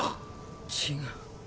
違う。